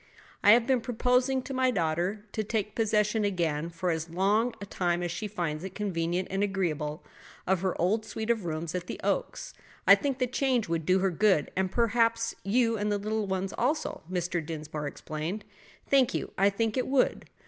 "I have been proposing to my daughter to take possession again, for as long a time as she finds it convenient and agreeable, of her old suite of rooms at the Oaks. I think the change would do her good, and perhaps you and the little ones also," Mr. Dinsmore explained. "Thank you; I think it would.